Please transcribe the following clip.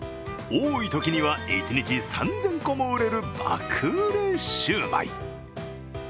多いときには一日３０００個も売れる爆売れシューマイ。